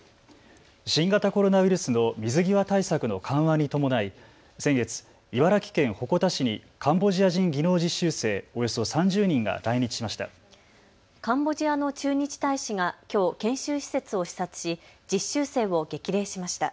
新型コロナウイルスの水際対策の緩和に伴い先月、茨城県鉾田市にカンボジア人技能実習生およそ３０人が来日ました。